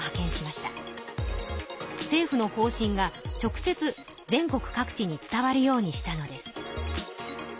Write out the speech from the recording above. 政府の方針が直接全国各地に伝わるようにしたのです。